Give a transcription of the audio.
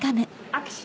握手。